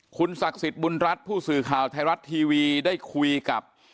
คุณศักดิ์สิทธิ์บุญรัฐผู้สื่อข่าวไทยรัฐทีวีได้คุยกับ